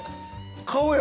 顔や！